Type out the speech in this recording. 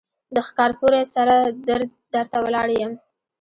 د ښکارپورۍ سره در ته ولاړ يم.